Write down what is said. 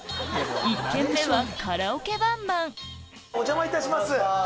１軒目はカラオケバンバンお邪魔いたします！